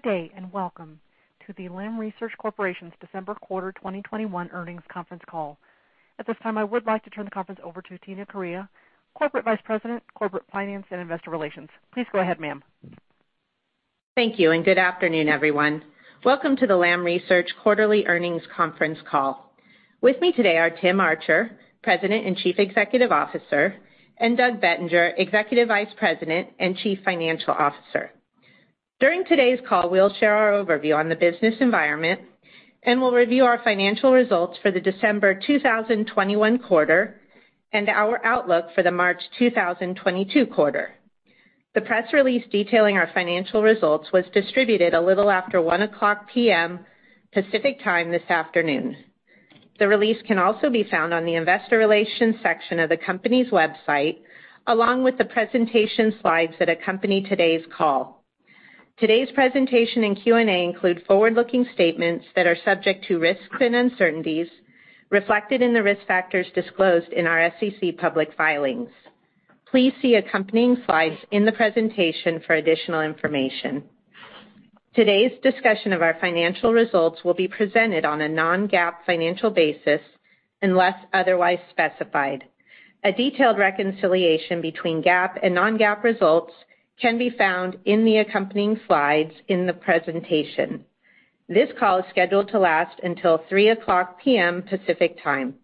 Good day, and welcome to the Lam Research Corporation's December Quarter 2021 Earnings Conference Call. At this time, I would like to turn the conference over to Tina Correia, Corporate Vice President, Corporate Finance and Investor Relations. Please go ahead, ma'am. Thank you, and good afternoon, everyone. Welcome to the Lam Research quarterly earnings conference call. With me today are Tim Archer, President and Chief Executive Officer, and Doug Bettinger, Executive Vice President and Chief Financial Officer. During today's call, we'll share our overview on the business environment, and we'll review our financial results for the December 2021 quarter and our outlook for the March 2022 quarter. The press release detailing our financial results was distributed a little after 1:00 P.M. Pacific Time this afternoon. The release can also be found on the investor relations section of the company's website, along with the presentation slides that accompany today's call. Today's presentation and Q&A include forward-looking statements that are subject to risks and uncertainties reflected in the risk factors disclosed in our SEC public filings. Please see accompanying slides in the presentation for additional information. Today's discussion of our financial results will be presented on a non-GAAP financial basis, unless otherwise specified. A detailed reconciliation between GAAP and non-GAAP results can be found in the accompanying slides in the presentation. This call is scheduled to last until 3:00 P.M. Pacific Time.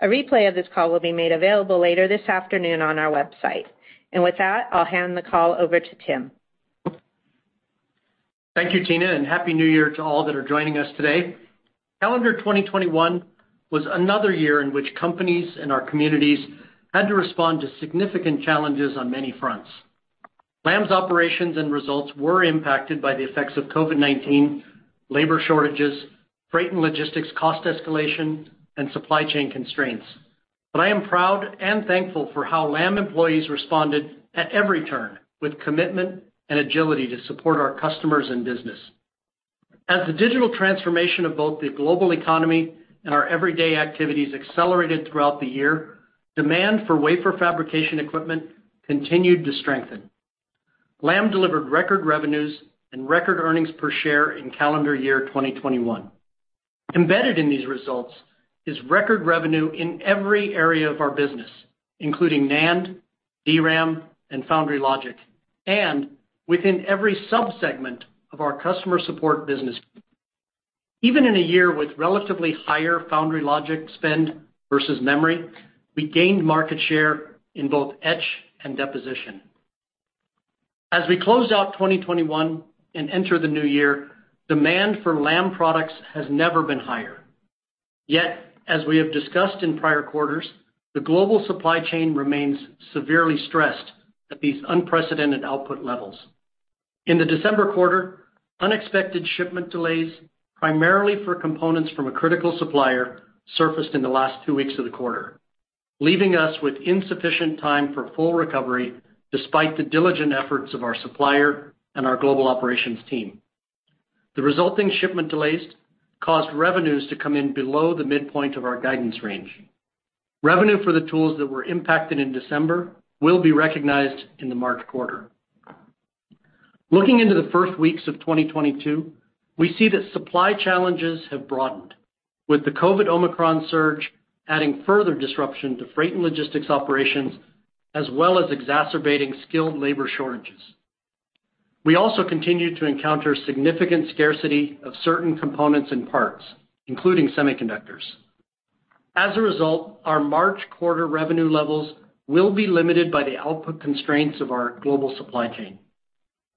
A replay of this call will be made available later this afternoon on our website. With that, I'll hand the call over to Tim. Thank you, Tina, and Happy New Year to all that are joining us today. Calendar 2021 was another year in which companies and our communities had to respond to significant challenges on many fronts. Lam's operations and results were impacted by the effects of COVID-19, labor shortages, freight and logistics cost escalation, and supply chain constraints. I am proud and thankful for how Lam employees responded at every turn with commitment and agility to support our customers and business. As the digital transformation of both the global economy and our everyday activities accelerated throughout the year, demand for wafer fabrication equipment continued to strengthen. Lam delivered record revenues and record earnings per share in calendar year 2021. Embedded in these results is record revenue in every area of our business, including NAND, DRAM, and foundry logic, and within every sub-segment of our Customer Support business. Even in a year with relatively higher foundry logic spend versus memory, we gained market share in both etch and deposition. As we close out 2021 and enter the new year, demand for Lam products has never been higher. Yet, as we have discussed in prior quarters, the global supply chain remains severely stressed at these unprecedented output levels. In the December quarter, unexpected shipment delays, primarily for components from a critical supplier, surfaced in the last two weeks of the quarter, leaving us with insufficient time for full recovery despite the diligent efforts of our supplier and our global operations team. The resulting shipment delays caused revenues to come in below the midpoint of our guidance range. Revenue for the tools that were impacted in December will be recognized in the March quarter. Looking into the first weeks of 2022, we see that supply challenges have broadened, with the COVID-19 Omicron surge adding further disruption to freight and logistics operations, as well as exacerbating skilled labor shortages. We also continue to encounter significant scarcity of certain components and parts, including semiconductors. As a result, our March quarter revenue levels will be limited by the output constraints of our global supply chain,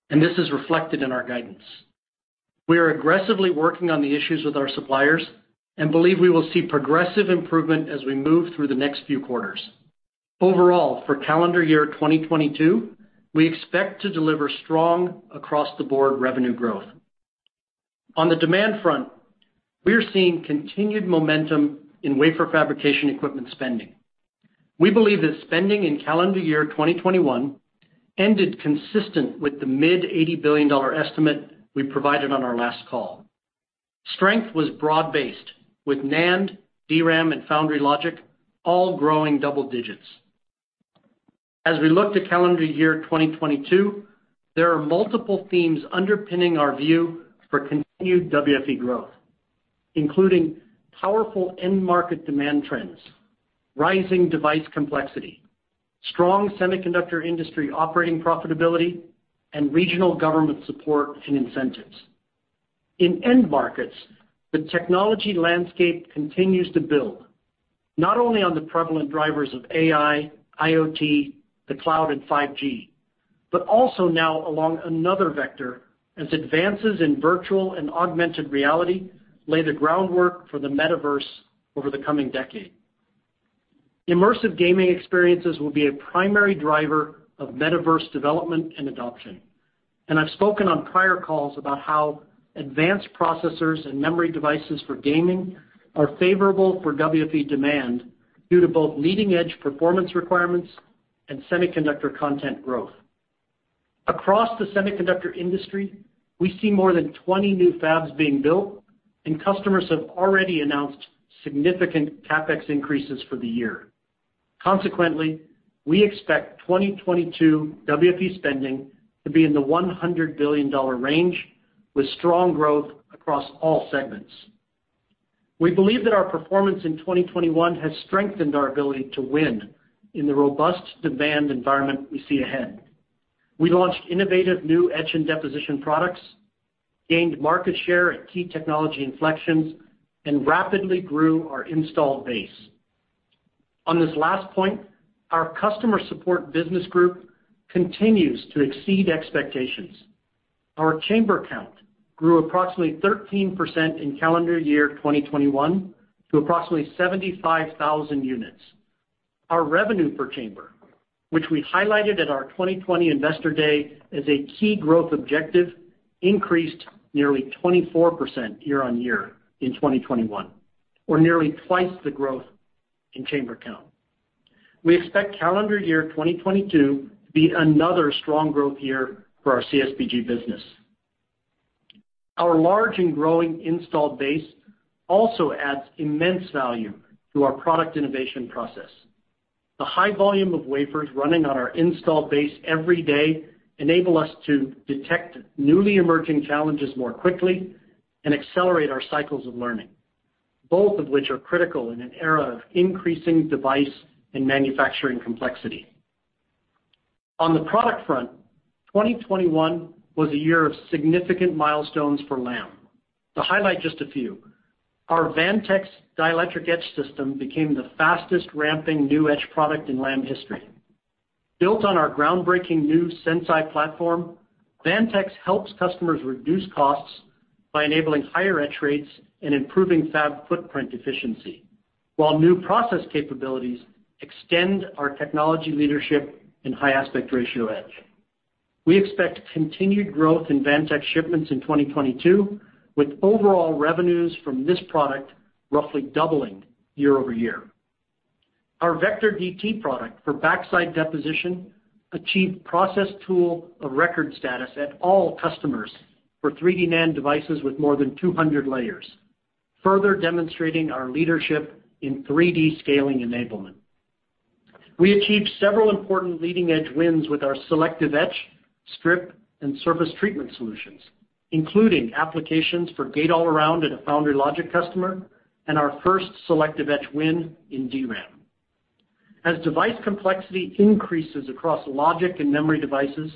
and this is reflected in our guidance. We are aggressively working on the issues with our suppliers and believe we will see progressive improvement as we move through the next few quarters. Overall, for calendar year 2022, we expect to deliver strong across-the-board revenue growth. On the demand front, we're seeing continued momentum in wafer fabrication equipment spending. We believe that spending in calendar year 2021 ended consistent with the mid-$80 billion estimate we provided on our last call. Strength was broad-based, with NAND, DRAM, and foundry logic all growing double digits. As we look to calendar year 2022, there are multiple themes underpinning our view for continued WFE growth, including powerful end-market demand trends, rising device complexity, strong semiconductor industry operating profitability, and regional government support and incentives. In end markets, the technology landscape continues to build, not only on the prevalent drivers of AI, IoT, the cloud, and 5G, but also now along another vector as advances in virtual and augmented reality lay the groundwork for the metaverse over the coming decade. Immersive gaming experiences will be a primary driver of metaverse development and adoption, and I've spoken on prior calls about how advanced processors and memory devices for gaming are favorable for WFE demand due to both leading-edge performance requirements and semiconductor content growth. Across the semiconductor industry, we see more than 20 new fabs being built, and customers have already announced significant CapEx increases for the year. Consequently, we expect 2022 WFE spending to be in the $100 billion range with strong growth across all segments. We believe that our performance in 2021 has strengthened our ability to win in the robust demand environment we see ahead. We launched innovative new etch and deposition products, gained market share at key technology inflections, and rapidly grew our installed base. On this last point, our Customer Support Business Group continues to exceed expectations. Our chamber count grew approximately 13% in calendar year 2021 to approximately 75,000 units. Our revenue per chamber, which we highlighted at our 2020 Investor Day as a key growth objective, increased nearly 24% year-on-year in 2021, or nearly twice the growth in chamber count. We expect calendar year 2022 to be another strong growth year for our CSPG business. Our large and growing installed base also adds immense value to our product innovation process. The high volume of wafers running on our installed base every day enable us to detect newly emerging challenges more quickly and accelerate our cycles of learning, both of which are critical in an era of increasing device and manufacturing complexity. On the product front, 2021 was a year of significant milestones for Lam. To highlight just a few, our Vantex dielectric etch system became the fastest ramping new etch product in Lam history. Built on our groundbreaking new Sense.i platform, Vantex helps customers reduce costs by enabling higher etch rates and improving fab footprint efficiency, while new process capabilities extend our technology leadership in high aspect ratio etch. We expect continued growth in Vantex shipments in 2022, with overall revenues from this product roughly doubling year-over-year. Our VECTOR DT product for backside deposition achieved process tool of record status at all customers for 3D NAND devices with more than 200 layers, further demonstrating our leadership in 3D scaling enablement. We achieved several important leading etch wins with our selective etch, strip, and surface treatment solutions, including applications for gate-all-around at a foundry logic customer and our first selective etch win in DRAM. As device complexity increases across logic and memory devices,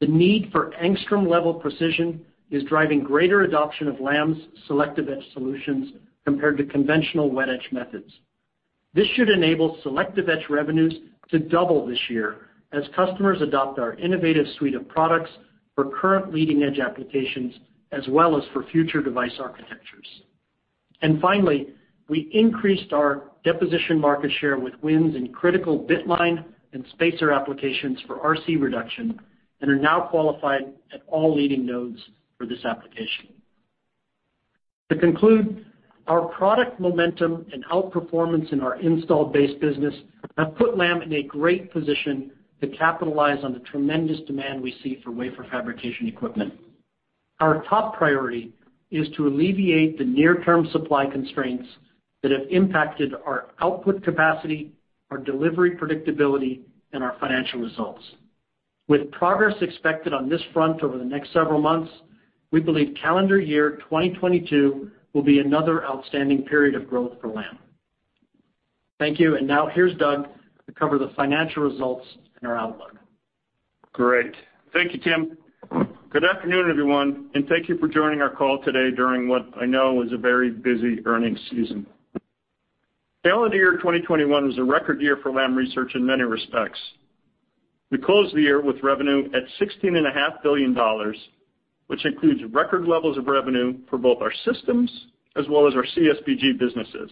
the need for Angstrom level precision is driving greater adoption of Lam's selective etch solutions compared to conventional wet etch methods. This should enable selective etch revenues to double this year as customers adopt our innovative suite of products for current leading-edge applications, as well as for future device architectures. Finally, we increased our deposition market share with wins in critical bitline and spacer applications for RC reduction, and are now qualified at all leading nodes for this application. To conclude, our product momentum and outperformance in our installed base business have put Lam in a great position to capitalize on the tremendous demand we see for wafer fabrication equipment. Our top priority is to alleviate the near-term supply constraints that have impacted our output capacity, our delivery predictability, and our financial results. With progress expected on this front over the next several months, we believe calendar year 2022 will be another outstanding period of growth for Lam. Thank you. Now here's Doug to cover the financial results and our outlook. Great. Thank you, Tim. Good afternoon, everyone, and thank you for joining our call today during what I know is a very busy earnings season. Calendar year 2021 was a record year for Lam Research in many respects. We closed the year with revenue at $16.5 billion, which includes record levels of revenue for both our systems as well as our CSPG businesses.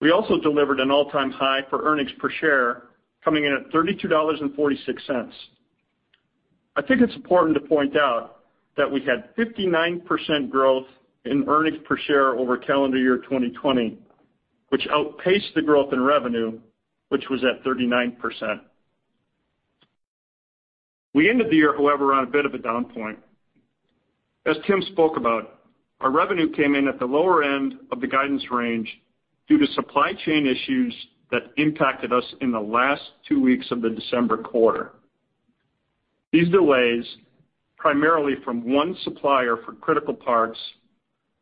We also delivered an all-time high for earnings per share, coming in at $32.46. I think it's important to point out that we had 59% growth in earnings per share over calendar year 2020, which outpaced the growth in revenue, which was at 39%. We ended the year, however, on a bit of a down point. As Tim spoke about, our revenue came in at the lower end of the guidance range due to supply chain issues that impacted us in the last two weeks of the December quarter. These delays, primarily from one supplier for critical parts,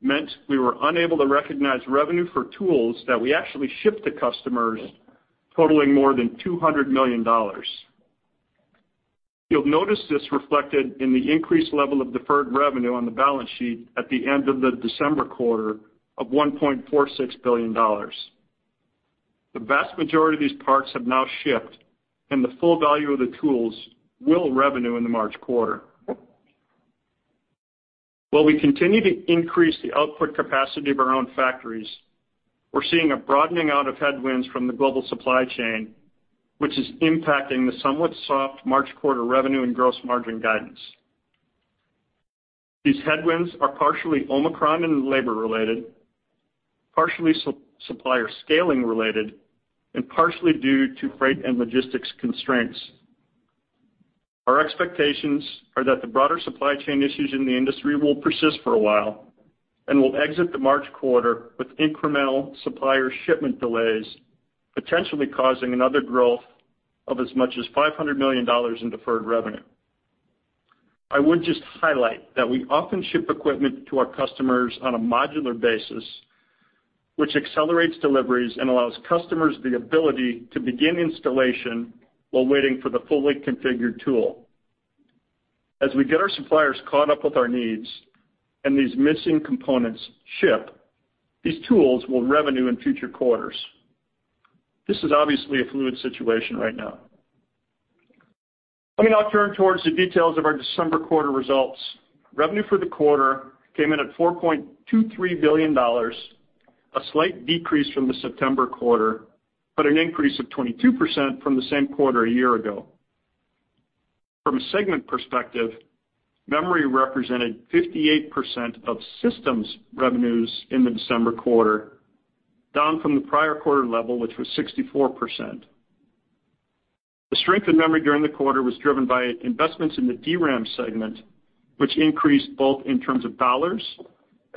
meant we were unable to recognize revenue for tools that we actually shipped to customers totaling more than $200 million. You'll notice this reflected in the increased level of deferred revenue on the balance sheet at the end of the December quarter of $1.46 billion. The vast majority of these parts have now shipped, and the full value of the tools will revenue in the March quarter. While we continue to increase the output capacity of our own factories, we're seeing a broadening out of headwinds from the global supply chain, which is impacting the somewhat soft March quarter revenue and gross margin guidance. These headwinds are partially Omicron and labor-related, partially supplier scaling-related, and partially due to freight and logistics constraints. Our expectations are that the broader supply chain issues in the industry will persist for a while and will exit the March quarter with incremental supplier shipment delays, potentially causing another growth of as much as $500 million in deferred revenue. I would just highlight that we often ship equipment to our customers on a modular basis, which accelerates deliveries and allows customers the ability to begin installation while waiting for the fully configured tool. As we get our suppliers caught up with our needs and these missing components ship, these tools will revenue in future quarters. This is obviously a fluid situation right now. Let me now turn towards the details of our December quarter results. Revenue for the quarter came in at $4.23 billion, a slight decrease from the September quarter, but an increase of 22% from the same quarter a year ago. From a segment perspective, memory represented 58% of systems revenues in the December quarter, down from the prior quarter level, which was 64%. The strength in memory during the quarter was driven by investments in the DRAM segment, which increased both in terms of dollars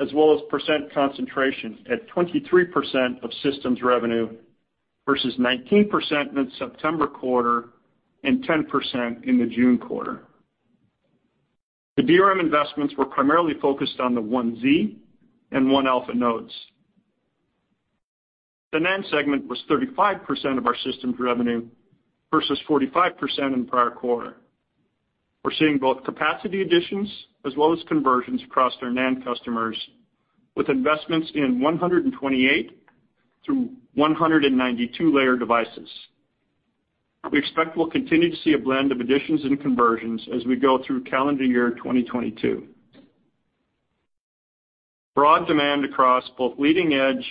as well as percent concentration at 23% of systems revenue versus 19% in September quarter and 10% in the June quarter. The DRAM investments were primarily focused on the 1z and 1alpha nodes. The NAND segment was 35% of our systems revenue versus 45% in the prior quarter. We're seeing both capacity additions as well as conversions across their NAND customers with investments in 128- through 192-layer devices. We expect we'll continue to see a blend of additions and conversions as we go through calendar year 2022. Broad demand across both leading edge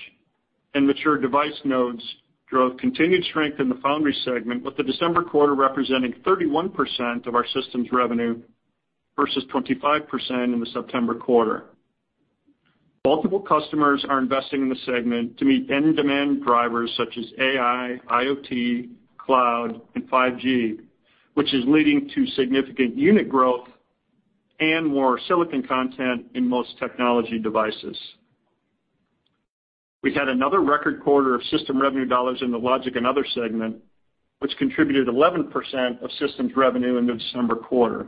and mature device nodes drove continued strength in the foundry segment, with the December quarter representing 31% of our systems revenue versus 25% in the September quarter. Multiple customers are investing in the segment to meet end demand drivers such as AI, IoT, cloud, and 5G, which is leading to significant unit growth and more silicon content in most technology devices. We had another record quarter of system revenue dollars in the logic and other segment, which contributed 11% of systems revenue in the December quarter,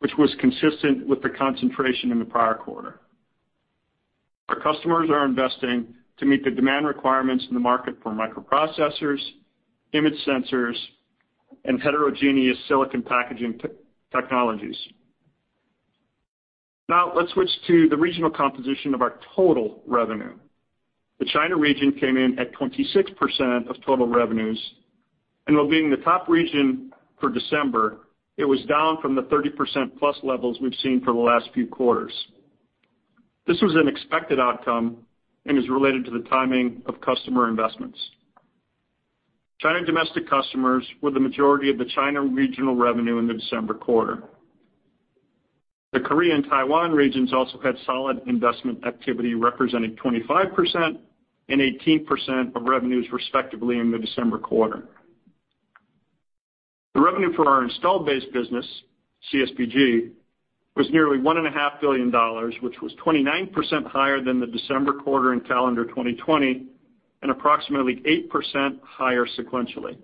which was consistent with the concentration in the prior quarter. Our customers are investing to meet the demand requirements in the market for microprocessors, image sensors, and heterogeneous silicon packaging technologies. Now let's switch to the regional composition of our total revenue. The China region came in at 26% of total revenues, and while being the top region for December, it was down from the 30%+ levels we've seen for the last few quarters. This was an expected outcome and is related to the timing of customer investments. China domestic customers were the majority of the China regional revenue in the December quarter. The Korea and Taiwan regions also had solid investment activity, representing 25% and 18% of revenues, respectively, in the December quarter. The revenue for our installed base business, CSPG, was nearly $1.5 billion, which was 29% higher than the December quarter in calendar 2020 and approximately 8% higher sequentially.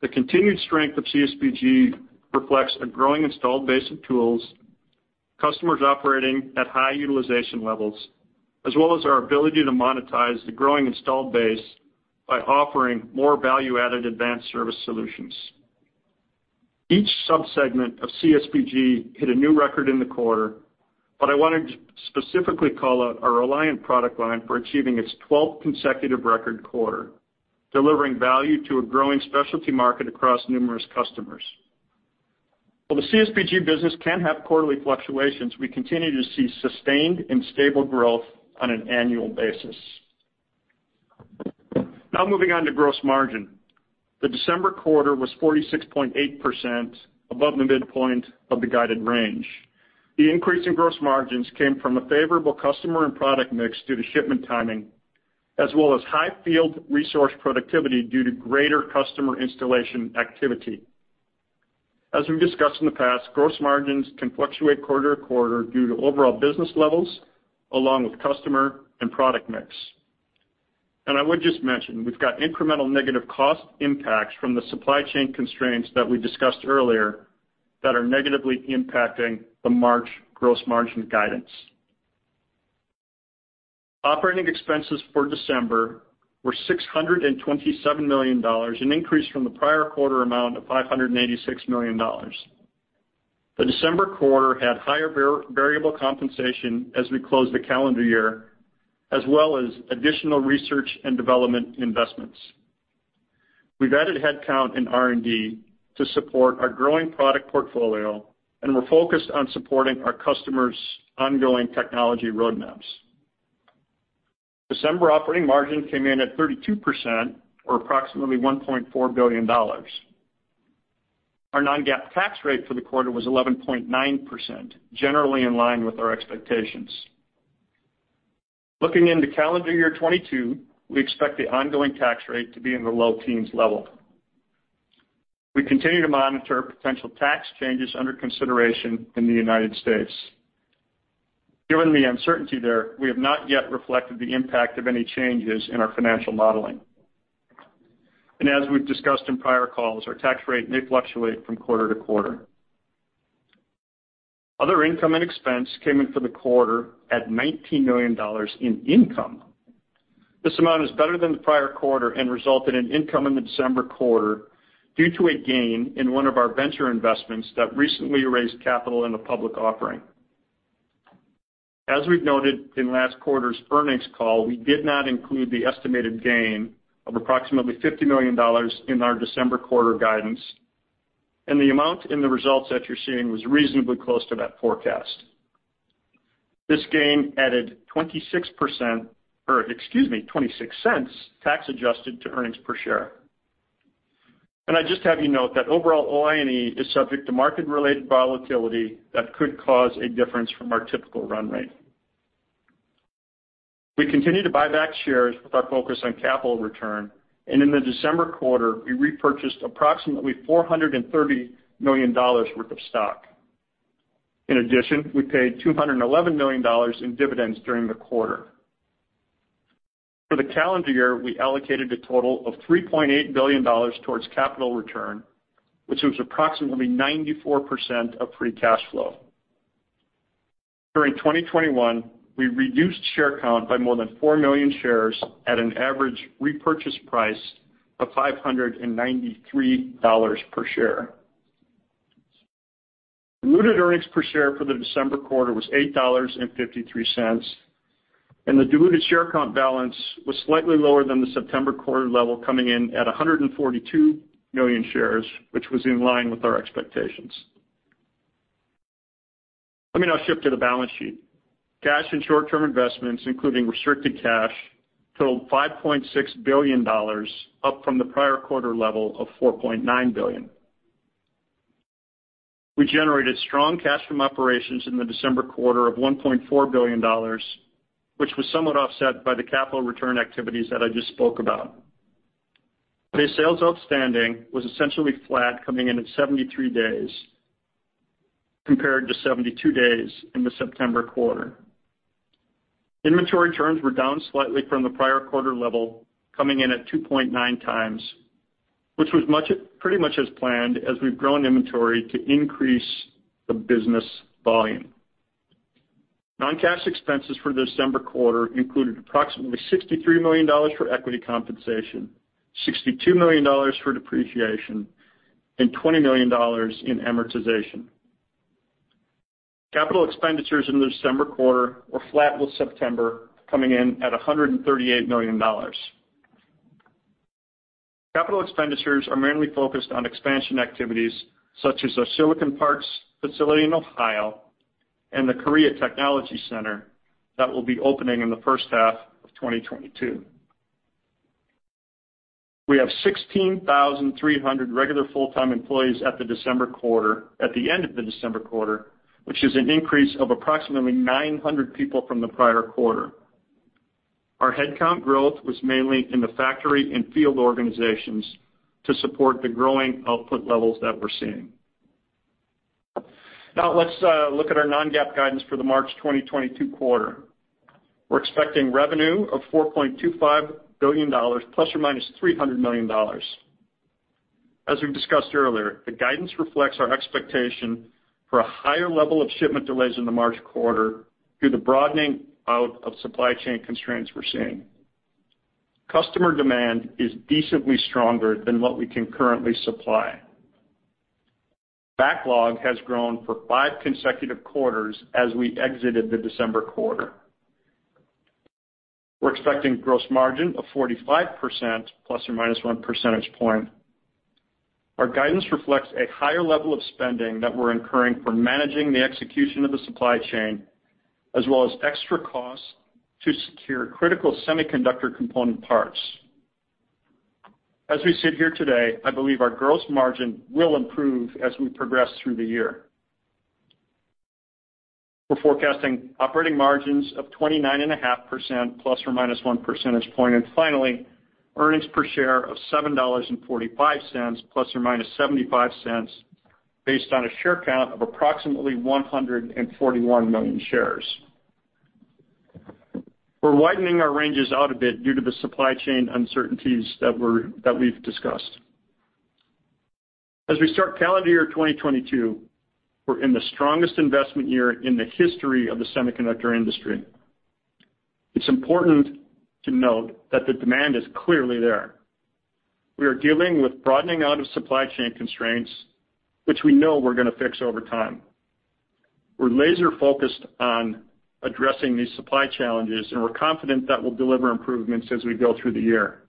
The continued strength of CSPG reflects a growing installed base of tools, customers operating at high utilization levels, as well as our ability to monetize the growing installed base by offering more value-added advanced service solutions. Each sub-segment of CSPG hit a new record in the quarter, but I wanted to specifically call out our Reliant product line for achieving its 12th consecutive record quarter, delivering value to a growing specialty market across numerous customers. While the CSPG business can have quarterly fluctuations, we continue to see sustained and stable growth on an annual basis. Now moving on to gross margin. The December quarter was 46.8%, above the midpoint of the guided range. The increase in gross margins came from a favorable customer and product mix due to shipment timing, as well as high field resource productivity due to greater customer installation activity. As we've discussed in the past, gross margins can fluctuate quarter to quarter due to overall business levels along with customer and product mix. I would just mention, we've got incremental negative cost impacts from the supply chain constraints that we discussed earlier that are negatively impacting the March gross margin guidance. Operating expenses for December were $627 million, an increase from the prior quarter amount of $586 million. The December quarter had higher variable compensation as we closed the calendar year, as well as additional research and development investments. We've added headcount in R&D to support our growing product portfolio, and we're focused on supporting our customers' ongoing technology roadmaps. December operating margin came in at 32% or approximately $1.4 billion. Our non-GAAP tax rate for the quarter was 11.9%, generally in line with our expectations. Looking into calendar year 2022, we expect the ongoing tax rate to be in the low teens level. We continue to monitor potential tax changes under consideration in the United States. Given the uncertainty there, we have not yet reflected the impact of any changes in our financial modeling. As we've discussed in prior calls, our tax rate may fluctuate from quarter to quarter. Other income and expense came in for the quarter at $19 million in income. This amount is better than the prior quarter and resulted in income in the December quarter due to a gain in one of our venture investments that recently raised capital in a public offering. As we've noted in last quarter's earnings call, we did not include the estimated gain of approximately $50 million in our December quarter guidance, and the amount in the results that you're seeing was reasonably close to that forecast. This gain added 26%, or excuse me, $0.26 tax adjusted to earnings per share. I just have you note that overall OI&E is subject to market-related volatility that could cause a difference from our typical run rate. We continue to buy back shares with our focus on capital return, and in the December quarter, we repurchased approximately $430 million worth of stock. In addition, we paid $211 million in dividends during the quarter. For the calendar year, we allocated a total of $3.8 billion towards capital return, which was approximately 94% of free cash flow. During 2021, we reduced share count by more than 4 million shares at an average repurchase price of $593 per share. Diluted earnings per share for the December quarter was $8.53, and the diluted share count balance was slightly lower than the September quarter level, coming in at 142 million shares, which was in line with our expectations. Let me now shift to the balance sheet. Cash and short-term investments, including restricted cash, totaled $5.6 billion, up from the prior quarter level of $4.9 billion. We generated strong cash from operations in the December quarter of $1.4 billion, which was somewhat offset by the capital return activities that I just spoke about. Day sales outstanding was essentially flat, coming in at 73 days, compared to 72 days in the September quarter. Inventory turns were down slightly from the prior quarter level, coming in at 2.9x, which was pretty much as planned as we've grown inventory to increase the business volume. Non-cash expenses for the December quarter included approximately $63 million for equity compensation, $62 million for depreciation, and $20 million in amortization. Capital expenditures in the December quarter were flat with September, coming in at $138 million. Capital expenditures are mainly focused on expansion activities, such as our silicon parts facility in Ohio and the Korea Technology Center that will be opening in the first half of 2022. We have 16,300 regular full-time employees at the December quarter, at the end of the December quarter, which is an increase of approximately 900 people from the prior quarter. Our headcount growth was mainly in the factory and field organizations to support the growing output levels that we're seeing. Now let's look at our non-GAAP guidance for the March 2022 quarter. We're expecting revenue of $4.25 billion ±$300 million. As we've discussed earlier, the guidance reflects our expectation for a higher level of shipment delays in the March quarter due to the broadening out of supply chain constraints we're seeing. Customer demand is decently stronger than what we can currently supply. Backlog has grown for five consecutive quarters as we exited the December quarter. We're expecting gross margin of 45% ±1 percentage point. Our guidance reflects a higher level of spending that we're incurring for managing the execution of the supply chain, as well as extra costs to secure critical semiconductor component parts. As we sit here today, I believe our gross margin will improve as we progress through the year. We're forecasting operating margins of 29.5% ±1 percentage point. Finally, earnings per share of $7.45 ±$0.75 based on a share count of approximately 141 million shares. We're widening our ranges out a bit due to the supply chain uncertainties that we've discussed. As we start calendar year 2022, we're in the strongest investment year in the history of the semiconductor industry. It's important to note that the demand is clearly there. We are dealing with broadening out of supply chain constraints, which we know we're gonna fix over time. We're laser-focused on addressing these supply challenges, and we're confident that we'll deliver improvements as we go through the year.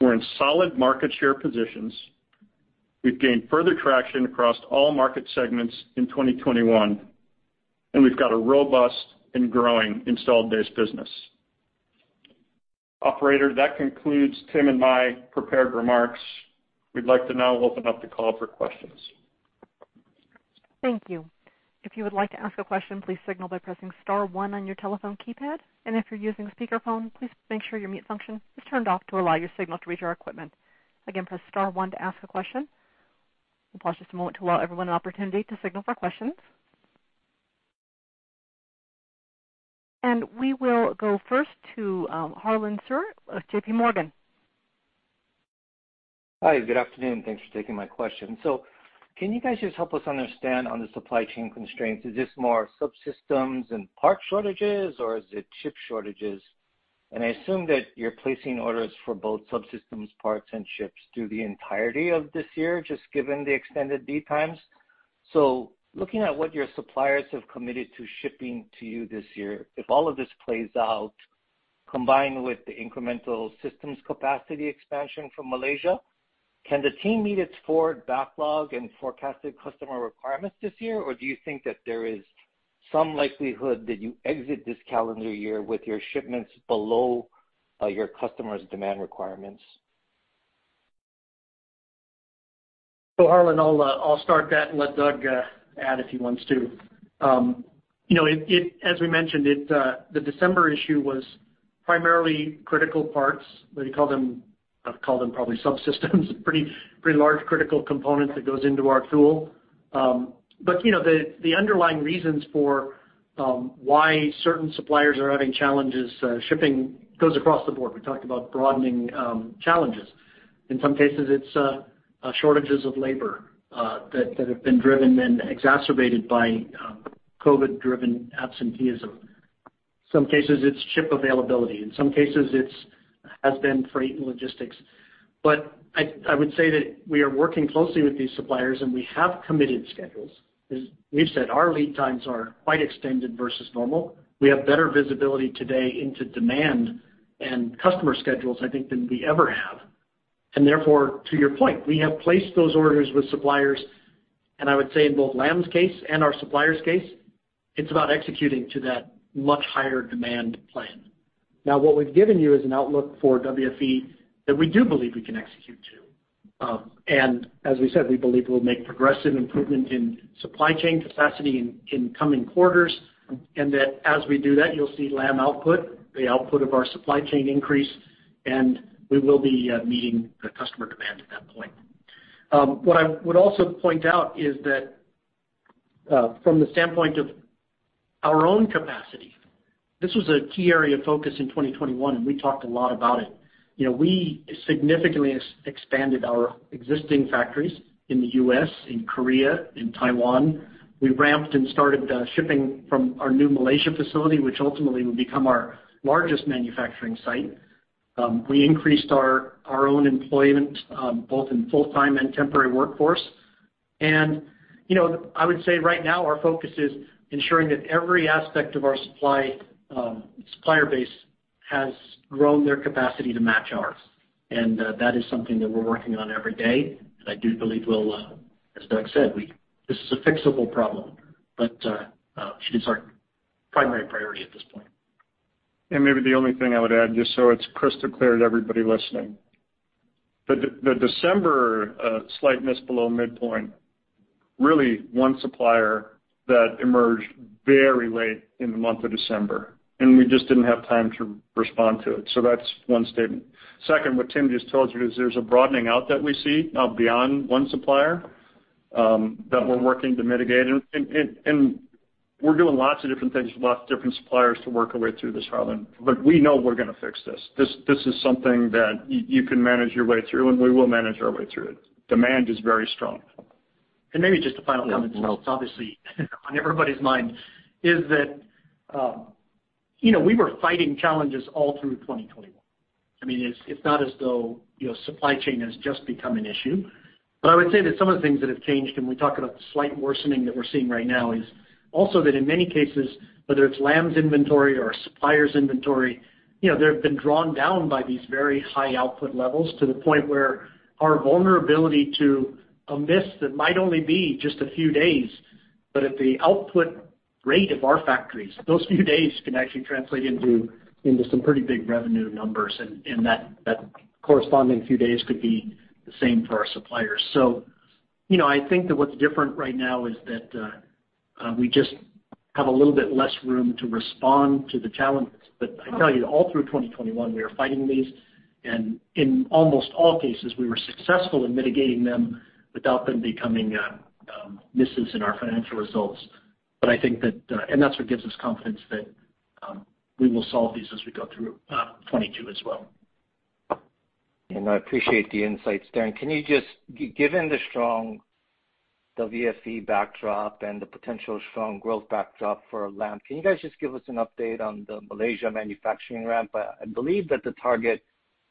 We're in solid market share positions. We've gained further traction across all market segments in 2021, and we've got a robust and growing installed base business. Operator, that concludes Tim and my prepared remarks. We'd like to now open up the call for questions. Thank you. If you would like to ask a question, please signal by pressing star one on your telephone keypad. If you're using a speakerphone, please make sure your mute function is turned off to allow your signal to reach our equipment. Again, press star one to ask a question. We'll pause just a moment to allow everyone an opportunity to signal for questions. We will go first to Harlan Sur, J.P. Morgan. Hi. Good afternoon. Thanks for taking my question. Can you guys just help us understand on the supply chain constraints, is this more subsystems and part shortages, or is it chip shortages? I assume that you're placing orders for both subsystems parts and chips through the entirety of this year, just given the extended lead times. Looking at what your suppliers have committed to shipping to you this year, if all of this plays out combined with the incremental systems capacity expansion from Malaysia, can the team meet its forward backlog and forecasted customer requirements this year? Or do you think that there is some likelihood that you exit this calendar year with your shipments below your customers' demand requirements? Harlan, I'll start that and let Doug add if he wants to. You know, as we mentioned, the December issue was primarily critical parts. They call them, I call them probably subsystems, pretty large critical components that goes into our tool. You know, the underlying reasons for why certain suppliers are having challenges shipping goes across the board. We talked about broadening challenges. In some cases it's shortages of labor that have been driven and exacerbated by COVID-driven absenteeism. Some cases it's chip availability. In some cases it's freight and logistics. I would say that we are working closely with these suppliers, and we have committed schedules. As we've said, our lead times are quite extended versus normal. We have better visibility today into demand and customer schedules, I think, than we ever have. Therefore, to your point, we have placed those orders with suppliers, and I would say in both Lam's case and our suppliers' case, it's about executing to that much higher demand plan. Now, what we've given you is an outlook for WFE that we do believe we can execute to. As we said, we believe we'll make progressive improvement in supply chain capacity in coming quarters, and that as we do that, you'll see Lam output, the output of our supply chain increase, and we will be meeting the customer demand at that point. What I would also point out is that from the standpoint of our own capacity, this was a key area of focus in 2021, and we talked a lot about it. You know, we significantly expanded our existing factories in the U.S., in Korea, in Taiwan. We ramped and started shipping from our new Malaysia facility, which ultimately will become our largest manufacturing site. We increased our own employment both in full-time and temporary workforce. You know, I would say right now our focus is ensuring that every aspect of our supply supplier base has grown their capacity to match ours, and that is something that we're working on every day, and I do believe we'll as Doug said this is a fixable problem. It is our primary priority at this point. Maybe the only thing I would add, just so it's crystal clear to everybody listening. The December slight miss below midpoint, really one supplier that emerged very late in the month of December, and we just didn't have time to respond to it. That's one statement. Second, what Tim just told you is there's a broadening out that we see beyond one supplier that we're working to mitigate. And we're doing lots of different things with lots of different suppliers to work our way through this, Harlan. We know we're gonna fix this. This is something that you can manage your way through, and we will manage our way through it. Demand is very strong. Maybe just a final comment since it's obviously on everybody's mind, is that, you know, we were fighting challenges all through 2021. I mean, it's not as though, you know, supply chain has just become an issue. But I would say that some of the things that have changed, and we talk about the slight worsening that we're seeing right now, is also that in many cases, whether it's Lam's inventory or a supplier's inventory, you know, they have been drawn down by these very high output levels to the point where our vulnerability to a miss that might only be just a few days. But at the output rate of our factories, those few days can actually translate into some pretty big revenue numbers, and that corresponding few days could be the same for our suppliers. You know, I think that what's different right now is that we just have a little bit less room to respond to the challenges. I tell you, all through 2021, we were fighting these, and in almost all cases, we were successful in mitigating them without them becoming misses in our financial results. I think that and that's what gives us confidence that we will solve these as we go through 2022 as well. I appreciate the insights there. Can you just, given the strong WFE backdrop and the potential strong growth backdrop for Lam, can you guys just give us an update on the Malaysia manufacturing ramp? I believe that the target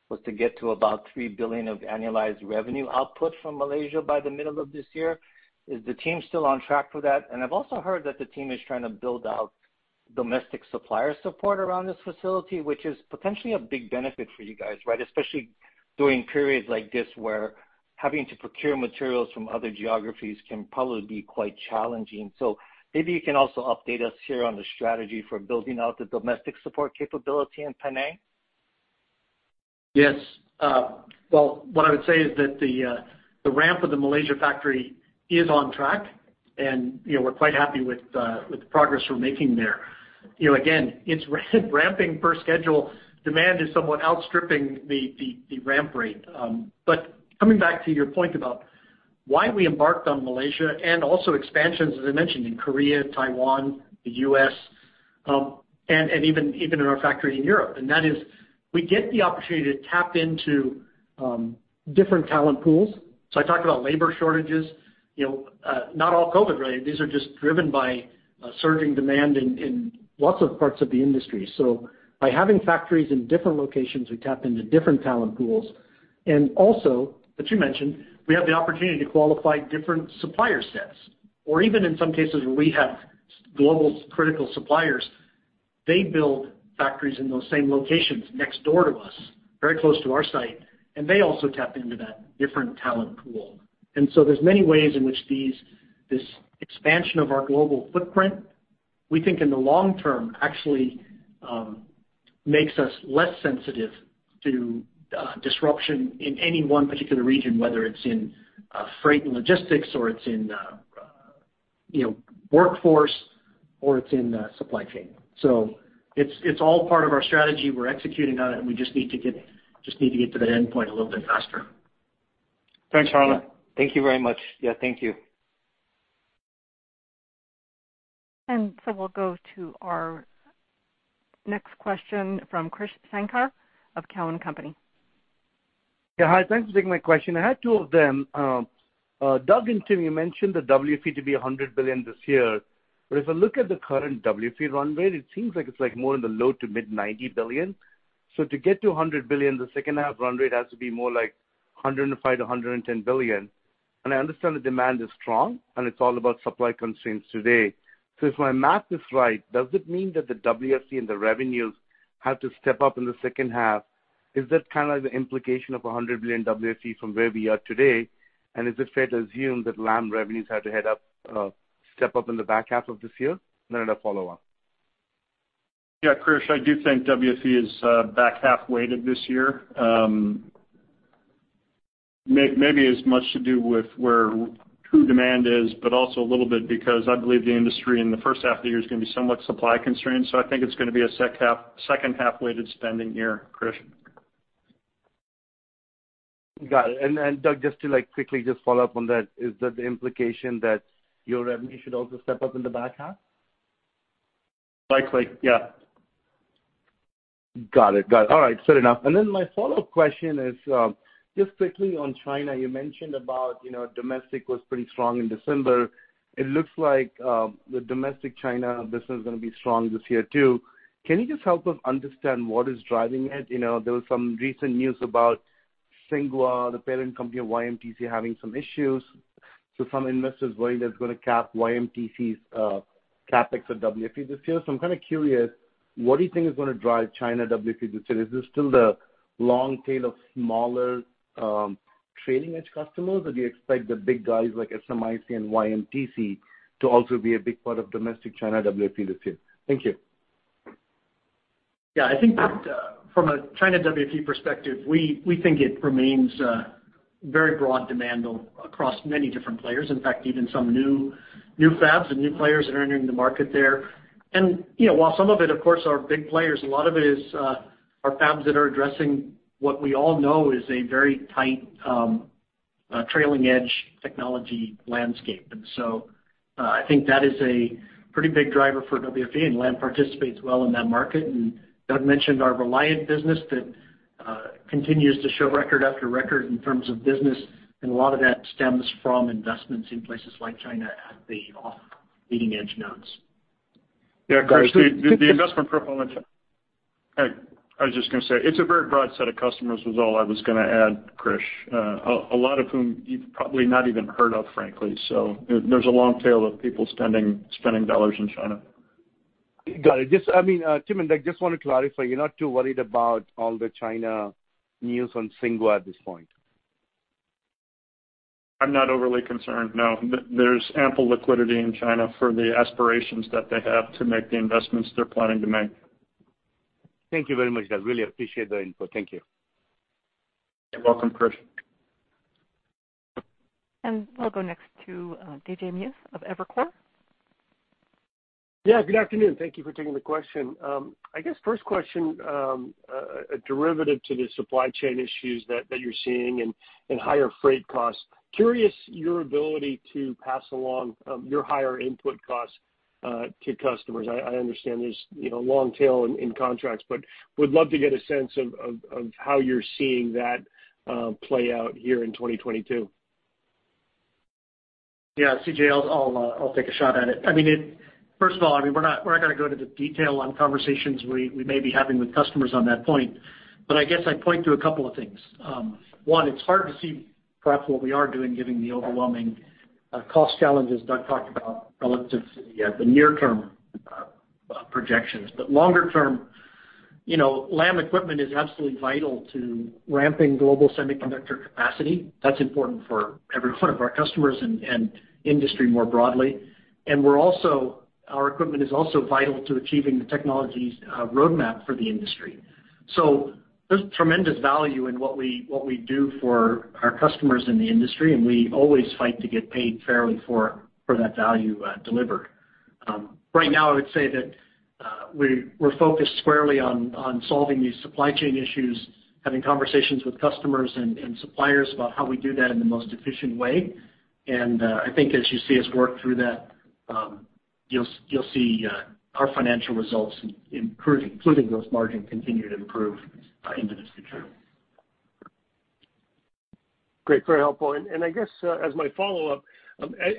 was to get to about $3 billion of annualized revenue output from Malaysia by the middle of this year. Is the team still on track for that? I've also heard that the team is trying to build out domestic supplier support around this facility, which is potentially a big benefit for you guys, right? Especially During periods like this where having to procure materials from other geographies can probably be quite challenging. Maybe you can also update us here on the strategy for building out the domestic support capability in Penang. Yes. Well, what I would say is that the ramp of the Malaysia factory is on track, and, you know, we're quite happy with the progress we're making there. You know, again, it's ramping per schedule. Demand is somewhat outstripping the ramp rate. Coming back to your point about why we embarked on Malaysia and also expansions, as I mentioned, in Korea, Taiwan, the U.S., and even in our factory in Europe. That is, we get the opportunity to tap into different talent pools. I talked about labor shortages, you know, not all COVID related. These are just driven by a surging demand in lots of parts of the industry. By having factories in different locations, we tap into different talent pools. Also, as you mentioned, we have the opportunity to qualify different supplier sets, or even in some cases, where we have global critical suppliers, they build factories in those same locations next door to us, very close to our site, and they also tap into that different talent pool. There's many ways in which this expansion of our global footprint, we think in the long term actually, makes us less sensitive to disruption in any one particular region, whether it's in freight and logistics or it's in you know, workforce or it's in supply chain. It's all part of our strategy. We're executing on it, and we just need to get to the endpoint a little bit faster. Thanks, Charlie. Thank you very much. Yeah, thank you. We'll go to our next question from Krish Sankar of Cowen and Company. Yeah. Hi, thanks for taking my question. I had two of them. Doug and Tim, you mentioned the WFE to be $100 billion this year, but if I look at the current WFE run rate, it seems like it's like more in the low- to mid-$90 billion. To get to $100 billion, the second half run rate has to be more like $105 billion-$110 billion. I understand the demand is strong, and it's all about supply constraints today. If my math is right, does it mean that the WFE and the revenues have to step up in the second half? Is that kind of the implication of $100 billion WFE from where we are today? Is it fair to assume that Lam revenues had to head up, step up in the back half of this year? Then I have follow up. Yeah, Krish, I do think WFE is back half weighted this year. Maybe as much to do with where true demand is, but also a little bit because I believe the industry in the first half of the year is gonna be somewhat supply constrained. I think it's gonna be a second half weighted spending year, Krish. Got it. Doug, just to like quickly just follow up on that, is that the implication that your revenue should also step up in the back half? Likely, yeah. Got it. All right. Fair enough. My follow-up question is, just quickly on China. You mentioned about, you know, domestic was pretty strong in December. It looks like, the domestic China business is gonna be strong this year too. Can you just help us understand what is driving it? You know, there was some recent news about Tsinghua, the parent company of YMTC, having some issues. Some investors worry that's gonna cap YMTC's, CapEx or WFE this year. I'm kind of curious, what do you think is gonna drive China WFE this year? Is this still the long tail of smaller, trailing-edge customers? Or do you expect the big guys like SMIC and YMTC to also be a big part of domestic China WFE this year? Thank you. Yeah. I think that from a China WFE perspective, we think it remains very broad demand across many different players. In fact, even some new fabs and new players that are entering the market there. You know, while some of it, of course, are big players, a lot of it are fabs that are addressing what we all know is a very tight trailing-edge technology landscape. I think that is a pretty big driver for WFE, and Lam participates well in that market. Doug mentioned our Reliant business that continues to show record after record in terms of business, and a lot of that stems from investments in places like China at the non-leading-edge nodes. Yeah, Krish, the investment profile in. I was just gonna say it's a very broad set of customers was all I was gonna add, Krish. A lot of whom you've probably not even heard of, frankly. There's a long tail of people spending dollars in China. Got it. Just, I mean, Tim and Doug, just want to clarify, you're not too worried about all the China news on Tsinghua at this point? I'm not overly concerned, no. There's ample liquidity in China for the aspirations that they have to make the investments they're planning to make. Thank you very much, Doug. Really appreciate the input. Thank you. You're welcome, Krish. We'll go next to CJ Muse of Evercore. Yeah, good afternoon. Thank you for taking the question. I guess first question, a derivative to the supply chain issues that you're seeing and higher freight costs. Curious your ability to pass along your higher input costs to customers. I understand there's, you know, long tail in contracts, but would love to get a sense of how you're seeing that play out here in 2022. Yeah, CJ, I'll take a shot at it. I mean, it, first of all, I mean, we're not gonna go into the detail on conversations we may be having with customers on that point, but I guess I'd point to a couple of things. One, it's hard to see perhaps what we are doing given the overwhelming cost challenges Doug talked about relative to the near-term projections. Longer term, you know, Lam equipment is absolutely vital to ramping global semiconductor capacity. That's important for every one of our customers and industry more broadly. We're also, our equipment is also vital to achieving the technologies roadmap for the industry. There's tremendous value in what we do for our customers in the industry, and we always fight to get paid fairly for that value delivered. Right now I would say that we're focused squarely on solving these supply chain issues, having conversations with customers and suppliers about how we do that in the most efficient way. I think as you see us work through that, you'll see our financial results improving, including gross margin continue to improve into this future. Great, very helpful. I guess, as my follow-up,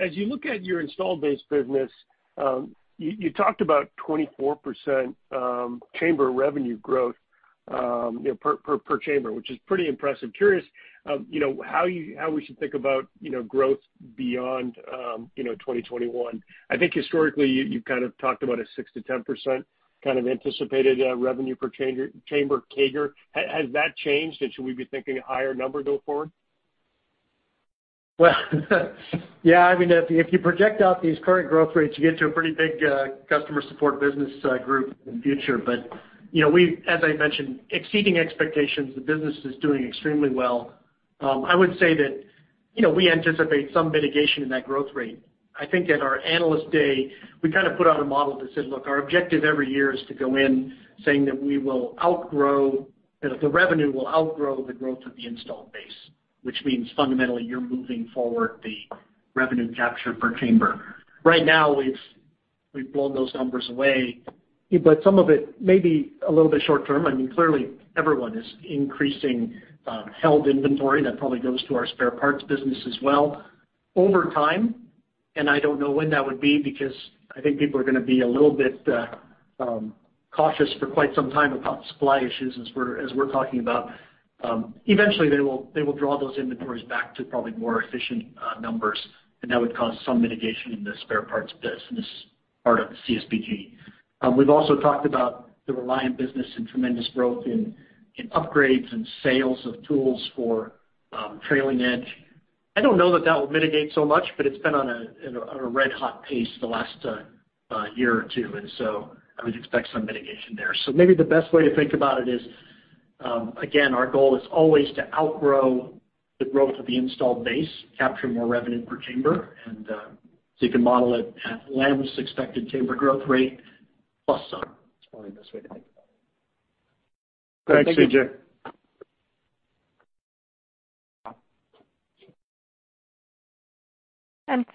as you look at your install base business, you talked about 24% chamber revenue growth, you know, per chamber, which is pretty impressive. Curious, you know, how we should think about, you know, growth beyond 2021. I think historically you kind of talked about a 6%-10% kind of anticipated revenue per chamber CAGR. Has that changed, and should we be thinking a higher number going forward? Well, yeah. I mean, if you project out these current growth rates, you get to a pretty big Customer Support Business Group in the future. You know, we've, as I mentioned, exceeding expectations, the business is doing extremely well. I would say that, you know, we anticipate some mitigation in that growth rate. I think at our Analyst Day, we kind of put out a model that said, look, our objective every year is to go in saying that we will outgrow, you know, the revenue will outgrow the growth of the installed base, which means fundamentally you're moving forward the revenue capture per chamber. Right now, we've blown those numbers away. Some of it may be a little bit short-term. I mean, clearly everyone is increasing held inventory, and that probably goes to our spare parts business as well. Over time, I don't know when that would be because I think people are gonna be a little bit cautious for quite some time about supply issues as we're talking about. Eventually they will draw those inventories back to probably more efficient numbers, and that would cause some mitigation in the spare parts business, part of the CSBG. We've also talked about the Reliant business and tremendous growth in upgrades and sales of tools for trailing edge. I don't know that will mitigate so much, but it's been on a red-hot pace the last year or two, and so I would expect some mitigation there. Maybe the best way to think about it is, again, our goal is always to outgrow the growth of the installed base, capture more revenue per chamber, and, so you can model it at Lam's expected chamber growth rate plus some is probably the best way to think about it. Thanks,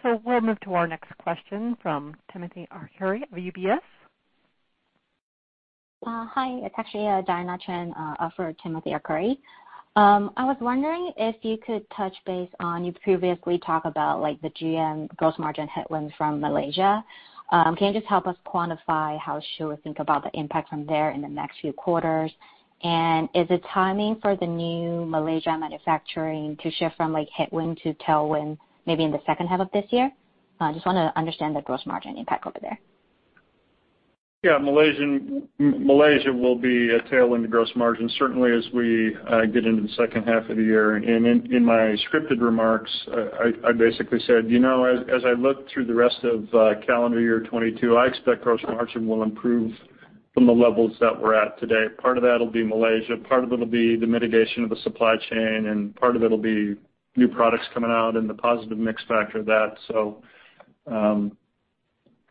CJ. We'll move to our next question from Timothy Arcuri of UBS. Hi. It's actually Diana Chen for Timothy Arcuri. I was wondering if you could touch base on, you previously talk about like the GM, gross margin headwind from Malaysia. Can you just help us quantify how should we think about the impact from there in the next few quarters? And is the timing for the new Malaysia manufacturing to shift from like headwind to tailwind maybe in the second half of this year? Just wanna understand the gross margin impact over there. Yeah. Malaysia will be a tailwind to gross margin, certainly as we get into the second half of the year. In my scripted remarks, I basically said, you know, as I look through the rest of calendar year 2022, I expect gross margin will improve from the levels that we're at today. Part of that'll be Malaysia, part of it'll be the mitigation of the supply chain, and part of it'll be new products coming out and the positive mix factor of that.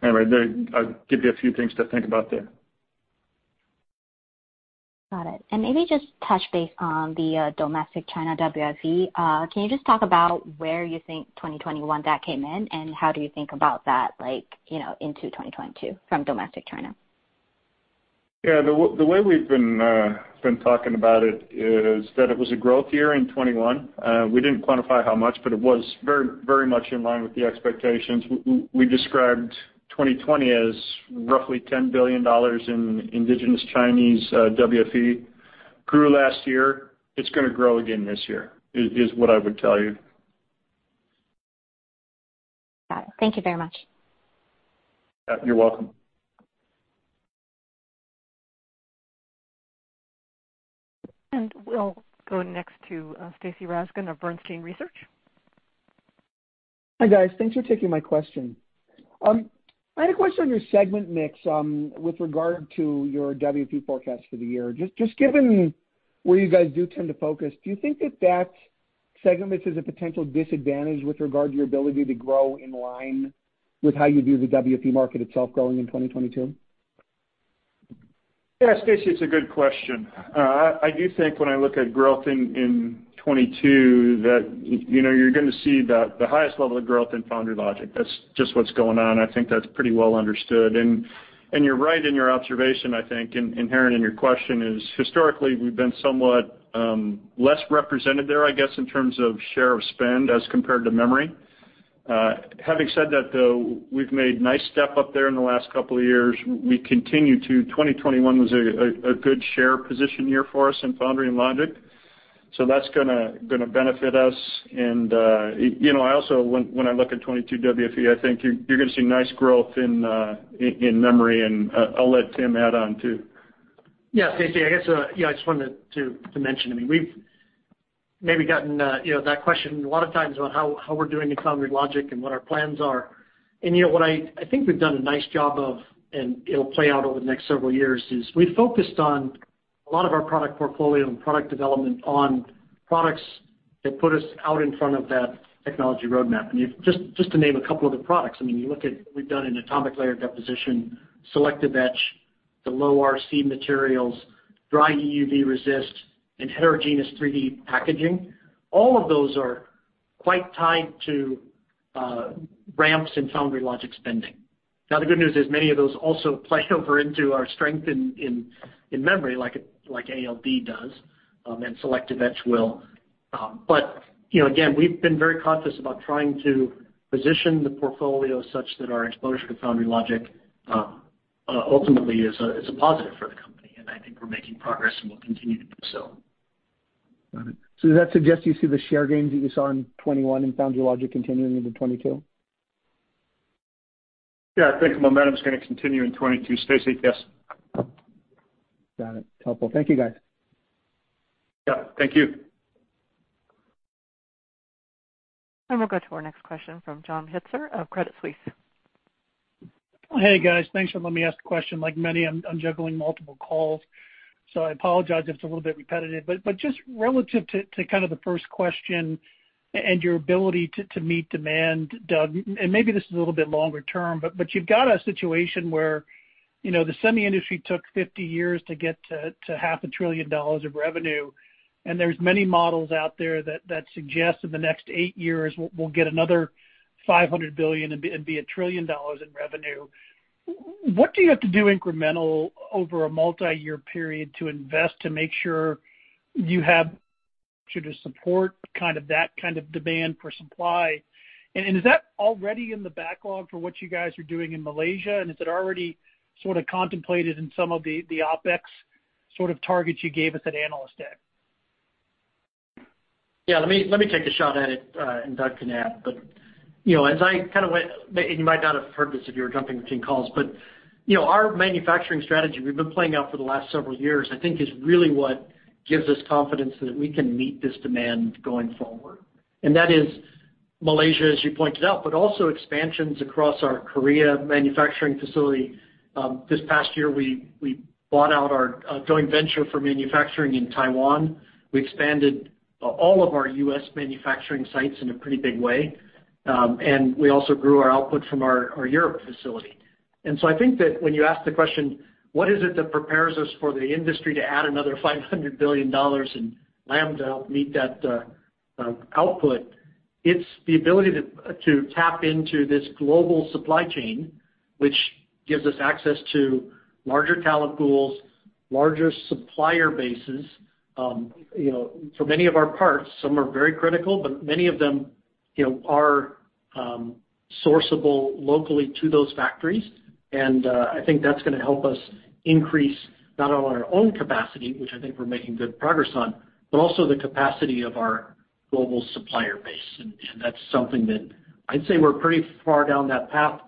Anyway, I'll give you a few things to think about there. Got it. Maybe just touch base on the domestic China WFE. Can you just talk about where you think 2021 that came in, and how do you think about that, like, you know, into 2022 from domestic China? Yeah. The way we've been talking about it is that it was a growth year in 2021. We didn't quantify how much, but it was very, very much in line with the expectations. We described 2020 as roughly $10 billion in indigenous Chinese WFE. It grew last year. It's gonna grow again this year, is what I would tell you. Got it. Thank you very much. Yeah. You're welcome. We'll go next to Stacy Rasgon of Bernstein Research. Hi, guys. Thanks for taking my question. I had a question on your segment mix, with regard to your WFE forecast for the year. Just given where you guys do tend to focus, do you think that segment mix is a potential disadvantage with regard to your ability to grow in line with how you view the WFE market itself growing in 2022? Yeah, Stacy, it's a good question. I do think when I look at growth in 2022 that you're gonna see the highest level of growth in foundry logic. That's just what's going on. I think that's pretty well understood. You're right in your observation, I think, inherent in your question is historically, we've been somewhat less represented there, I guess, in terms of share of spend as compared to memory. Having said that, though, we've made nice step up there in the last couple of years. We continue to. 2021 was a good share position year for us in foundry and logic. That's gonna benefit us. You know, I also, when I look at 2022 WFE, I think you're gonna see nice growth in memory, and I'll let Tim add on too. Yeah. Stacy, I guess, yeah, I just wanted to mention. I mean, we've maybe gotten, you know, that question a lot of times about how we're doing in foundry logic and what our plans are. You know, what I think we've done a nice job of, and it'll play out over the next several years, is we focused on a lot of our product portfolio and product development on products that put us out in front of that technology roadmap. You just to name a couple of the products, I mean, you look at what we've done in atomic layer deposition, selective etch, the low RC materials, dry EUV resist, and heterogeneous 3D packaging. All of those are quite tied to ramps in foundry logic spending. Now, the good news is many of those also play over into our strength in memory like ALD does, and selective etch will. You know, again, we've been very conscious about trying to position the portfolio such that our exposure to foundry logic ultimately is a positive for the company, and I think we're making progress, and we'll continue to do so. Got it. Does that suggest you see the share gains that you saw in 2021 in foundry and logic continuing into 2022? Yeah, I think momentum is gonna continue in 2022. Stacy? Yes. Got it. Helpful. Thank you, guys. Yeah, thank you. We'll go to our next question from John Pitzer of Credit Suisse. Hey, guys. Thanks for letting me ask a question. Like many, I'm juggling multiple calls, so I apologize if it's a little bit repetitive. Just relative to kind of the first question and your ability to meet demand, Doug, and maybe this is a little bit longer term, but you've got a situation where, you know, the semi industry took 50 years to get to half a trillion dollars of revenue, and there's many models out there that suggest in the next eight years we'll get another $500 billion and be $1 trillion in revenue. What do you have to do incremental over a multiyear period to invest to make sure you have to support kind of that kind of demand for supply? Is that already in the backlog for what you guys are doing in Malaysia? Is it already sort of contemplated in some of the OpEx sort of targets you gave us at Analyst Day? Yeah, let me take a shot at it, and Doug can add. You know, as I kind of went, and you might not have heard this if you were jumping between calls. You know, our manufacturing strategy we've been playing out for the last several years, I think, is really what gives us confidence that we can meet this demand going forward. That is Malaysia, as you pointed out, but also expansions across our Korea manufacturing facility. This past year, we bought out our joint venture for manufacturing in Taiwan. We expanded all of our U.S. manufacturing sites in a pretty big way, and we also grew our output from our Europe facility. I think that when you ask the question, what is it that prepares us for the industry to add another $500 billion in Lam to help meet that output, it's the ability to tap into this global supply chain, which gives us access to larger talent pools, larger supplier bases. You know, for many of our parts, some are very critical, but many of them, you know, are sourceable locally to those factories. I think that's gonna help us increase not only our own capacity, which I think we're making good progress on, but also the capacity of our global supplier base. That's something that I'd say we're pretty far down that path.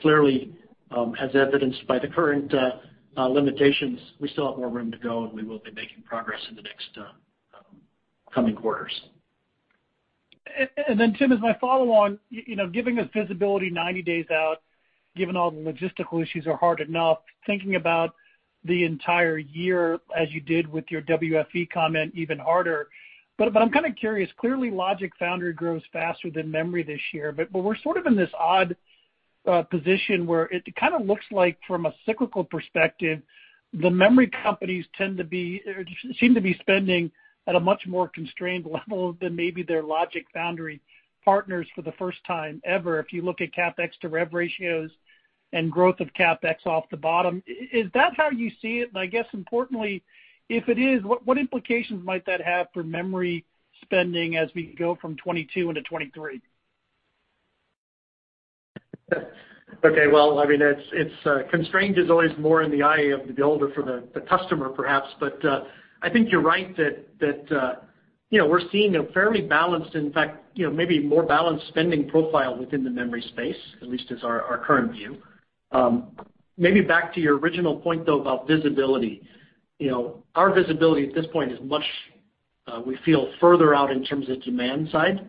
Clearly, as evidenced by the current limitations, we still have more room to go, and we will be making progress in the next coming quarters. Tim, as my follow on, you know, giving us visibility 90 days out, given all the logistical issues are hard enough, thinking about the entire year as you did with your WFE comment even harder. I'm kind of curious. Clearly, logic foundry grows faster than memory this year, but we're sort of in this odd position where it kind of looks like from a cyclical perspective, the memory companies tend to be or seem to be spending at a much more constrained level than maybe their logic foundry partners for the first time ever, if you look at CapEx to rev ratios and growth of CapEx off the bottom. Is that how you see it? I guess importantly, if it is, what implications might that have for memory spending as we go from 2022 into 2023? Okay. Well, I mean, it's constrained is always more in the eye of the beholder for the customer perhaps. I think you're right that you know, we're seeing a fairly balanced, in fact, you know, maybe more balanced spending profile within the memory space, at least as our current view. Maybe back to your original point, though, about visibility. You know, our visibility at this point is much we feel further out in terms of demand side.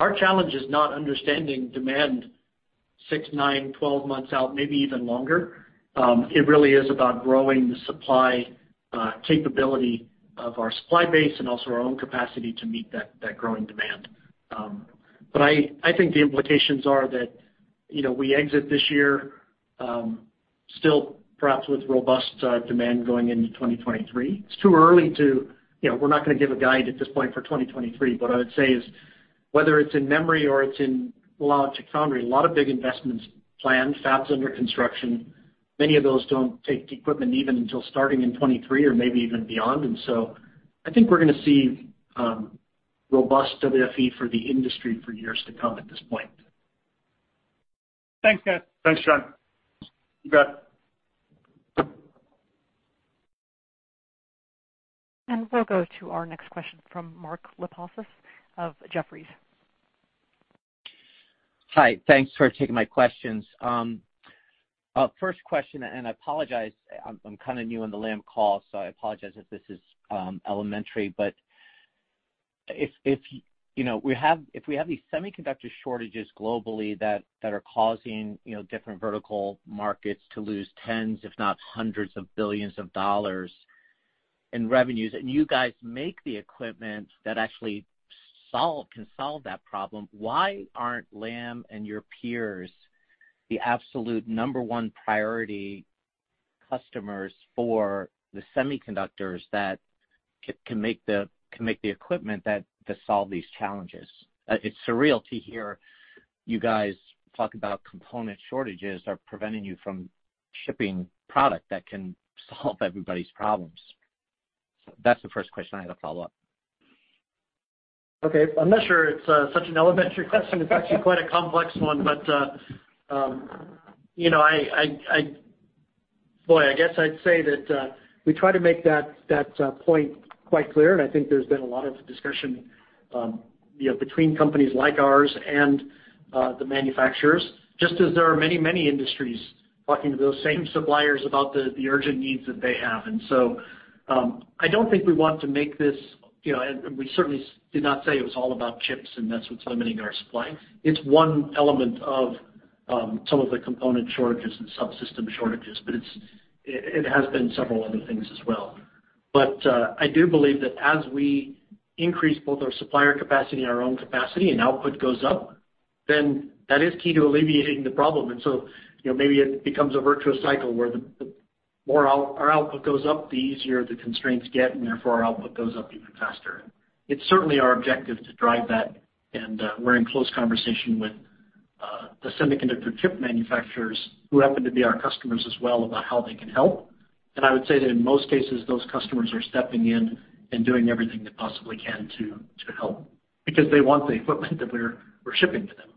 Our challenge is not understanding demand six, nine, 12 months out, maybe even longer. It really is about growing the supply capability of our supply base and also our own capacity to meet that growing demand. I think the implications are that, you know, we exit this year, still perhaps with robust demand going into 2023. It's too early to, you know, we're not gonna give a guide at this point for 2023. What I would say is, whether it's in memory or it's in logic foundry, a lot of big investments planned, fabs under construction. Many of those don't take the equipment even until starting in 2023 or maybe even beyond. I think we're gonna see robust WFE for the industry for years to come at this point. Thanks, guys. Thanks, John. You bet. We'll go to our next question from Mark Lipacis of Jefferies. Hi. Thanks for taking my questions. First question, and I apologize, I'm kinda new on the Lam call, so I apologize if this is elementary. But if you know we have these semiconductor shortages globally that are causing you know different vertical markets to lose tens if not hundreds of billions of dollars in revenues, and you guys make the equipment that can solve that problem, why aren't Lam and your peers the absolute number one priority customers for the semiconductors that can make the equipment to solve these challenges? It's surreal to hear you guys talk about component shortages are preventing you from shipping product that can solve everybody's problems. That's the first question. I had a follow-up. Okay. I'm not sure it's such an elementary question. It's actually quite a complex one, but you know, Boy, I guess I'd say that we try to make that point quite clear, and I think there's been a lot of discussion, you know, between companies like ours and the manufacturers, just as there are many industries talking to those same suppliers about the urgent needs that they have. I don't think we want to make this, you know, and we certainly did not say it was all about chips and that's what's limiting our supply. It's one element of some of the component shortages and subsystem shortages, but it has been several other things as well. I do believe that as we increase both our supplier capacity and our own capacity and output goes up, then that is key to alleviating the problem. You know, maybe it becomes a virtuous cycle where the more our output goes up, the easier the constraints get, and therefore, our output goes up even faster. It's certainly our objective to drive that, and we're in close conversation with the semiconductor chip manufacturers who happen to be our customers as well about how they can help. I would say that in most cases, those customers are stepping in and doing everything they possibly can to help because they want the equipment that we're shipping to them.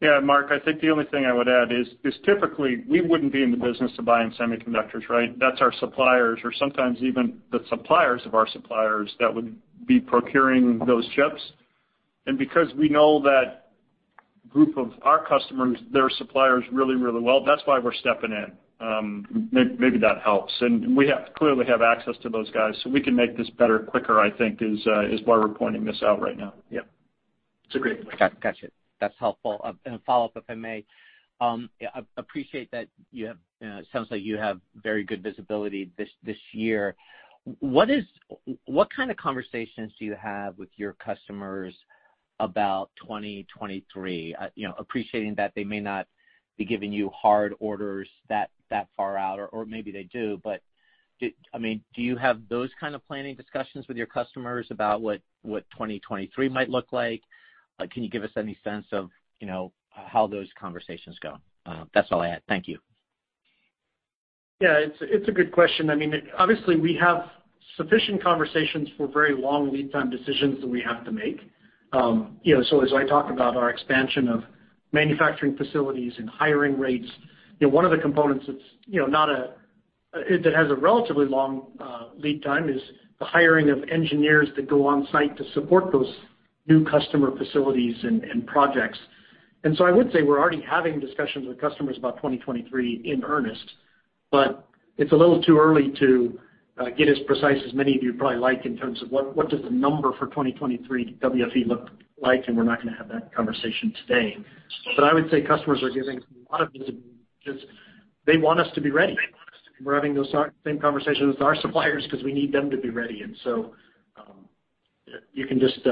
Yeah, Mark, I think the only thing I would add is typically we wouldn't be in the business of buying semiconductors, right? That's our suppliers or sometimes even the suppliers of our suppliers that would be procuring those chips. Because we know that group of our customers, their suppliers really, really well, that's why we're stepping in. Maybe that helps. We clearly have access to those guys, so we can make this better quicker, I think is why we're pointing this out right now. Yeah. It's a great point. Gotcha. That's helpful. A follow-up, if I may. Yeah, I appreciate that you have. It sounds like you have very good visibility this year. What kind of conversations do you have with your customers about 2023? You know, appreciating that they may not be giving you hard orders that far out, or maybe they do. I mean, do you have those kind of planning discussions with your customers about what 2023 might look like? Can you give us any sense of, you know, how those conversations go? That's all I had. Thank you. Yeah, it's a good question. I mean, obviously, we have sufficient conversations for very long lead time decisions that we have to make. You know, so as I talk about our expansion of manufacturing facilities and hiring rates, one of the components that has a relatively long lead time is the hiring of engineers that go on site to support those new customer facilities and projects. I would say we're already having discussions with customers about 2023 in earnest, but it's a little too early to get as precise as many of you probably like in terms of what does the number for 2023 WFE look like, and we're not gonna have that conversation today. I would say customers are giving a lot of, they want us to be ready, honest. We're having those same conversations with our suppliers 'cause we need them to be ready. You can just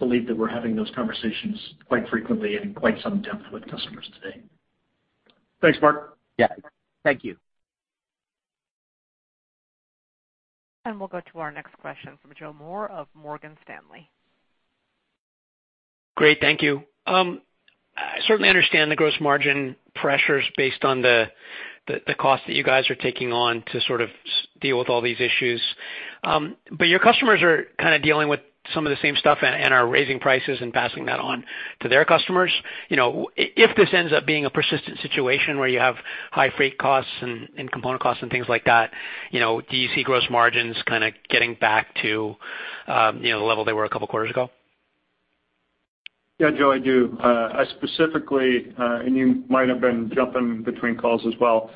believe that we're having those conversations quite frequently and in quite some depth with customers today. Thanks, Mark. Yeah. Thank you. We'll go to our next question from Joe Moore of Morgan Stanley. Great. Thank you. I certainly understand the gross margin pressures based on the cost that you guys are taking on to sort of deal with all these issues. Your customers are kinda dealing with some of the same stuff and are raising prices and passing that on to their customers. You know, if this ends up being a persistent situation where you have high freight costs and component costs and things like that, you know, do you see gross margins kinda getting back to the level they were a couple quarters ago? Yeah, Joe, I do. I specifically, and you might have been jumping between calls as well.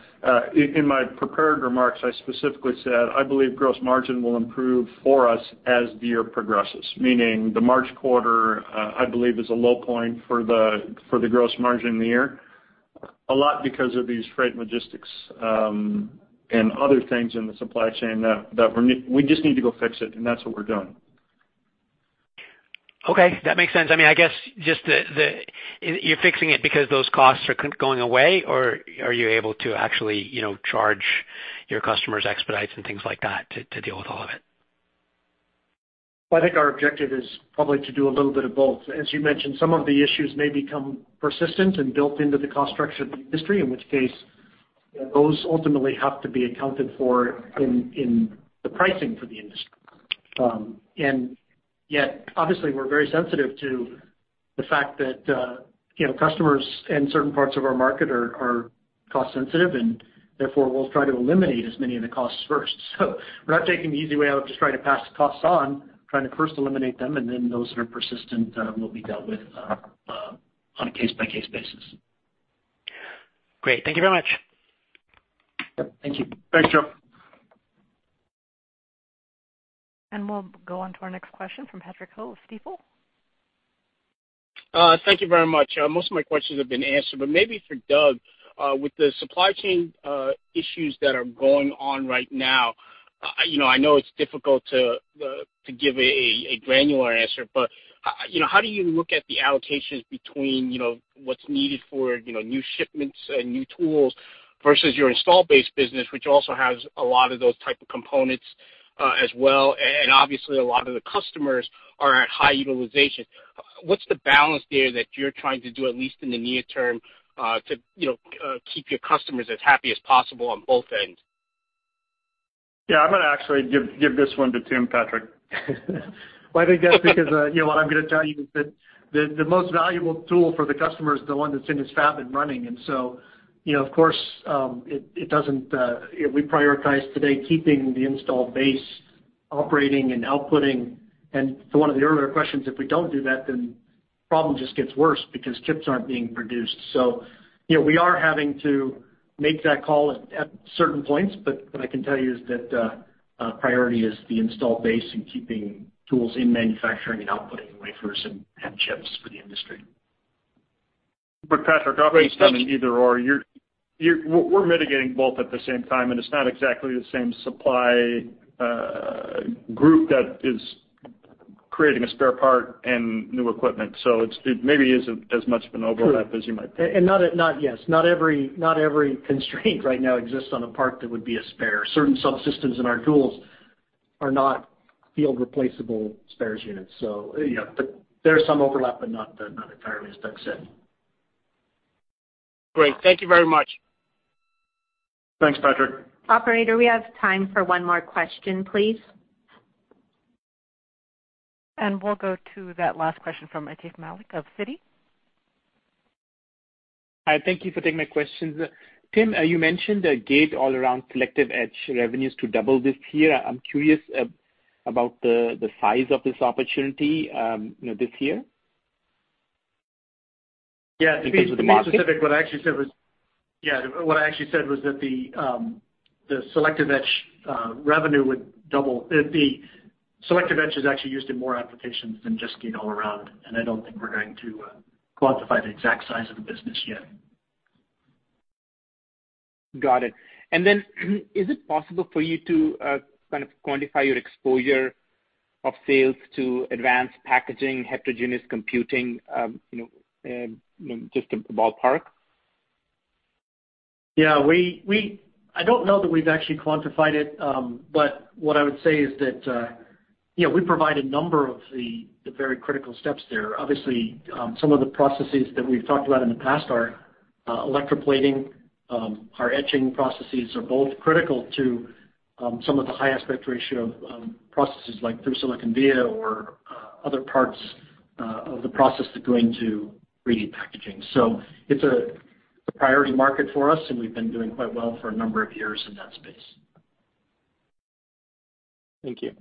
In my prepared remarks, I specifically said I believe gross margin will improve for us as the year progresses. Meaning the March quarter, I believe is a low point for the gross margin in the year, a lot because of these freight logistics and other things in the supply chain that we just need to go fix it, and that's what we're doing. Okay. That makes sense. I mean, I guess just you're fixing it because those costs are going away, or are you able to actually, you know, charge your customers expedites and things like that to deal with all of it? Well, I think our objective is probably to do a little bit of both. As you mentioned, some of the issues may become persistent and built into the cost structure of the industry, in which case, you know, those ultimately have to be accounted for in the pricing for the industry. And yet obviously we're very sensitive to the fact that, you know, customers in certain parts of our market are cost sensitive, and therefore we'll try to eliminate as many of the costs first. We're not taking the easy way out of just trying to pass the costs on, trying to first eliminate them, and then those that are persistent will be dealt with on a case-by-case basis. Great. Thank you very much. Yep. Thank you. Thanks, Joe. We'll go on to our next question from Patrick Ho of Stifel. Thank you very much. Most of my questions have been answered, but maybe for Doug, with the supply chain issues that are going on right now, you know, I know it's difficult to give a granular answer, but you know, how do you look at the allocations between, you know, what's needed for, you know, new shipments and new tools versus your installed base business, which also has a lot of those type of components, as well, and obviously, a lot of the customers are at high utilization. What's the balance there that you're trying to do, at least in the near term, to you know keep your customers as happy as possible on both ends? Yeah, I'm gonna actually give this one to Tim, Patrick. Well, I think that's because you know what I'm gonna tell you is that the most valuable tool for the customer is the one that's in his fab and running. You know, of course, we prioritize today keeping the installed base operating and outputting. To one of the earlier questions, if we don't do that, then the problem just gets worse because chips aren't being produced. You know, we are having to make that call at certain points, but what I can tell you is that priority is the installed base and keeping tools in manufacturing and outputting wafers and chips for the industry. Patrick, often it's not an either/or. We're mitigating both at the same time, and it's not exactly the same supply group that is creating a spare part and new equipment. It maybe isn't as much of an overlap True. -as you might think. Not yet. Not every constraint right now exists on a part that would be a spare. Certain subsystems in our tools are not field replaceable spares units. Yeah, but there's some overlap, but not entirely, as Doug said. Great. Thank you very much. Thanks, Patrick. Operator, we have time for one more question, please. We'll go to that last question from Aatif Malik of Citi. Hi. Thank you for taking my questions. Tim, you mentioned a gate-all-around selective etch revenues to double this year. I'm curious about the size of this opportunity, you know, this year. Yeah. In terms of the market. To be specific, what I actually said was that the selective etch revenue would double. The selective etch is actually used in more applications than just gate-all-around, and I don't think we're going to quantify the exact size of the business yet. Got it. Is it possible for you to kind of quantify your exposure of sales to advanced packaging, heterogeneous computing, you know, just a ballpark? Yeah. We don't know that we've actually quantified it, but what I would say is that, you know, we provide a number of the very critical steps there. Obviously, some of the processes that we've talked about in the past are, electroplating, our etching processes are both critical to, some of the high aspect ratio processes like through-silicon via or, other parts of the process that go into 3D packaging. It's a priority market for us, and we've been doing quite well for a number of years in that space. Thank you.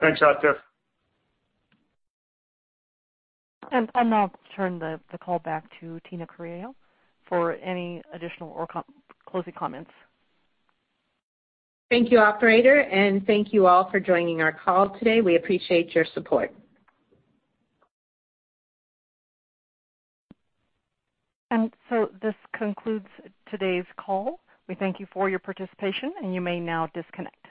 Thanks, Aatif. I'll now turn the call back to Tina Correia for any additional or closing comments. Thank you, operator, and thank you all for joining our call today. We appreciate your support. This concludes today's call. We thank you for your participation, and you may now disconnect.